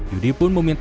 yudi pun memimpinnya